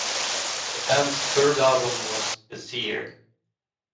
The band's third album was "The Seer".